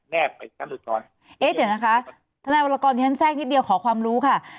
ไปชั้นอุทธรณ์เอ๊ะเดี๋ยวนะคะทนายวรกรที่ฉันแทรกนิดเดียวขอความรู้ค่ะ